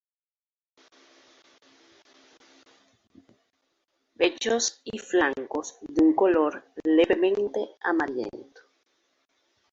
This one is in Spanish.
Pecho y flancos de un color levemente amarillento.